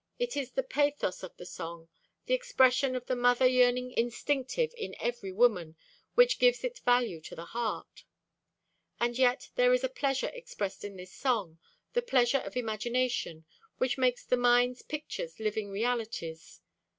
It is the pathos of the song, the expression of the mother yearning instinctive in every woman, which gives it value to the heart. And yet there is a pleasure expressed in this song, the pleasure of imagination, which makes the mind's pictures living realities.